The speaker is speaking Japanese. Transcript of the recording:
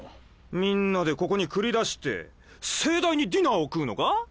みんなでここに繰り出して盛大にディナーを食うのか？